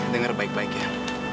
dengar baik baik ya